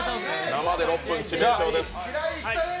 生で６分、致命傷です。